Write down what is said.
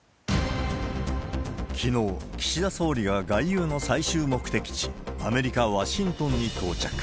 きのう、岸田総理が外遊の最終目的地、アメリカ・ワシントンに到着。